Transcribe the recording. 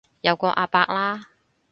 有個阿伯啦